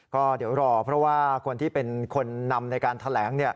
ก็เดี๋ยวรอเพราะว่าคนที่เป็นคนนำในการแถลง